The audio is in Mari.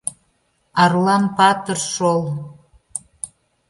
Арлан патыр шол.